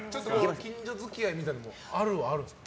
近所づきあいみたいなのもあるはあるんですか？